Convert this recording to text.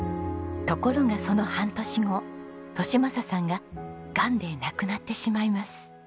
ところがその半年後利正さんががんで亡くなってしまいます。